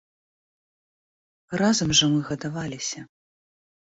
Разам жа мы гадаваліся.